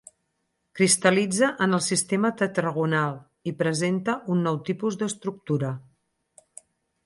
Cristal·litza en el sistema tetragonal i presenta un nou tipus d'estructura.